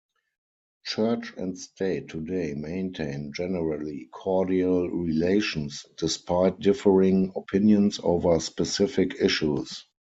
Church and State today maintain generally cordial relations despite differing opinions over specific issues.